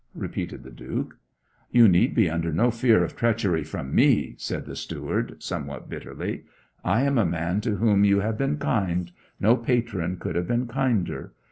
repeated the Duke. 'You need be under no fear of treachery from me,' said the steward, somewhat bitterly. 'I am a man to whom you have been kind no patron could have been kinder.